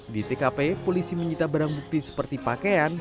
di tkp polisi menyita barang bukti seperti pakaian